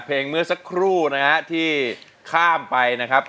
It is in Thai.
เพลงเมื่อสักครู่ที่ข้ามไปครับ